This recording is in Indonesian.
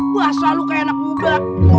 bahasa lu kayak anak muda